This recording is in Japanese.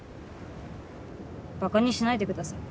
バカにしないでください。